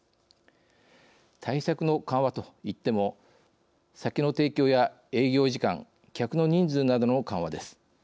対策の緩和といっても酒の提供や営業時間客の人数などの緩和です。